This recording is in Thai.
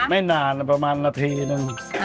ไม่นานประมาณนาทีนึง